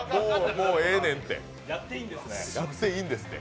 もうええねんって、やっていいんですって。